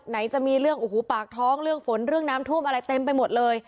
ไหนจะมีเรื่องโอ้โหปากท้องเรื่องฝนเรื่องน้ำท่วมอะไรเต็มไปหมดเลย